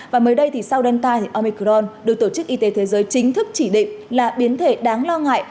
và mới đây sau đơn tai omicron được tổ chức y tế thế giới chính thức chỉ định là biến thể đáng lo ngại